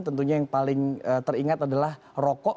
tentunya yang paling teringat adalah rokok